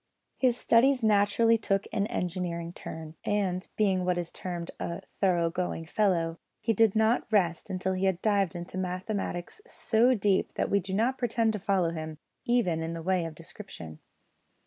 His studies naturally took an engineering turn, and, being what is termed a thorough going fellow, he did not rest until he had dived into mathematics so deep that we do not pretend to follow him, even in the way of description.